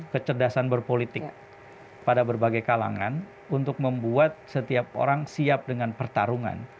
kecerdasan berpolitik pada berbagai kalangan untuk membuat setiap orang siap dengan pertarungan